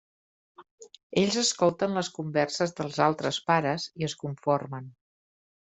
Ells escolten les converses dels altres pares i es conformen.